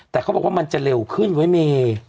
แต่เขาบอกว่ามันจะเร็วขึ้นเว้ยเม